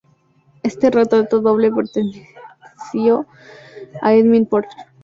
Este retrato doble perteneció a Endymion Porter.